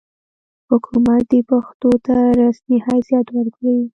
حکومت دې پښتو ته رسمي حیثیت ورکړي.